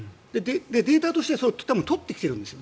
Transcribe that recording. データとして取ってきてるんです。